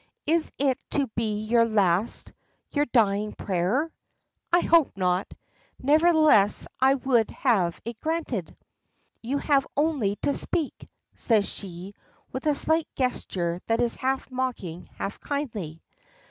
"Is it to be your last, your dying prayer?" "I hope not. Nevertheless I would have it granted." "You have only to speak," says she, with a slight gesture that is half mocking, half kindly.